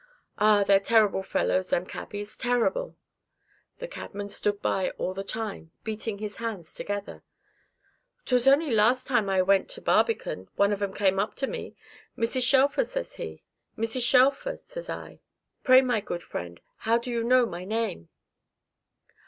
"Ah, they're terrible fellows them cabbies, terrible!" The cabman stood by all the time, beating his hands together. "'Twas only last time I went to Barbican, one of 'em come up to me, 'Mrs. Shelfer,' says he, 'Mrs. Shelfer!' says I, 'pray my good friend, how do you know my name?